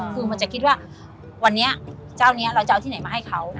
คือมันจะคิดว่าวันนี้เจ้านี้เราจะเอาที่ไหนมาให้เขา